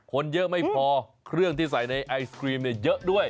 คนเยอะไม่พอเครื่องที่ใส่ในไอศครีมเนี่ยเยอะด้วย